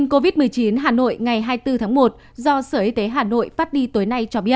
covid một mươi chín hà nội ngày hai mươi bốn tháng một do sở y tế hà nội phát đi tối nay cho biết